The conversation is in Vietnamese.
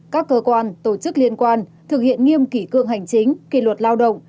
các cơ quan tổ chức liên quan thực hiện nghiêm kỷ cương hành chính kỷ luật lao động